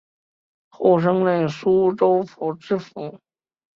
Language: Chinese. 后升任苏州府知府